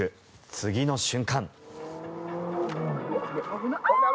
次の瞬間。